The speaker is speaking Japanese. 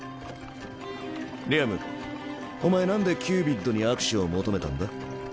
リアムお前なんでキュービッドに握手を求めたんだ？